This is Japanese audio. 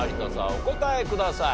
お答えください。